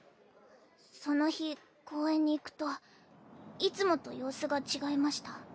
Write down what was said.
その日公園に行くといつもと様子が違いました。